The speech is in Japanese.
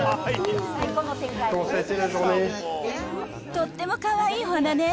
とってもかわいいお花ね。